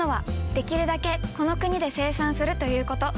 できるだけこの国で生産するということ。